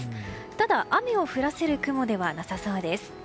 ただ、雨を降らせる雲ではなさそうです。